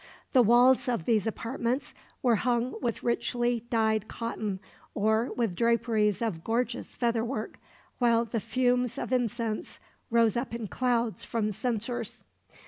The walls of these apartments were hung with richly dyed cotton, or with draperies of gorgeous feather work, while the fumes of incense rose up in clouds from censors.